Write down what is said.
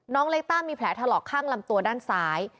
เล็กต้ามีแผลถลอกข้างลำตัวด้านซ้าย